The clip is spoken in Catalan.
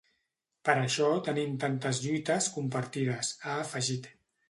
Per això tenim tantes lluites compartides, ha afegit.